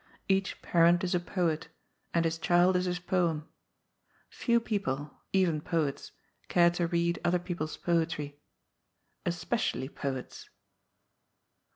Each parent is a poet, and his child is his poem. Few people — even poets — care to read other people's poetry. Especially poets.